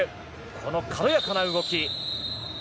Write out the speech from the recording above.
この軽やかな動き。